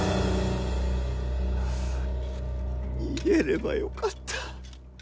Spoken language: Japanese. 逃げればよかった。